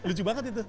lucu banget itu